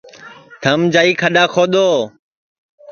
تھم جائی کھڈؔا کھودؔو